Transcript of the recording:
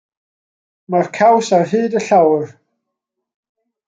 Mae'r caws ar hyd y llawr.